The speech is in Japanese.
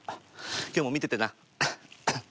今日も見ててなははっ。